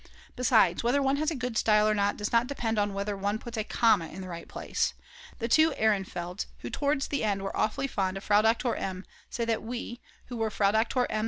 Besides, whether one has a good style or not does not depend upon whether one puts a comma in the right place. The two Ehrenfelds, who towards the end were awfully fond of Frau Doktor M., say that we, who were Frau Doktor M.